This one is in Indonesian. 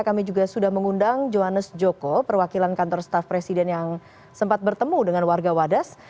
kami juga sudah mengundang johannes joko perwakilan kantor staff presiden yang sempat bertemu dengan warga wadas